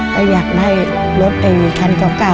แต่อยากได้รถไนเถินเช้าเก่า